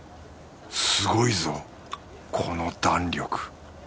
すごいぞこの弾力。